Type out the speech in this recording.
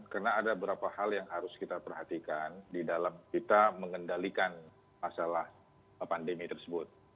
karena ada beberapa hal yang harus kita perhatikan di dalam kita mengendalikan masalah pandemi tersebut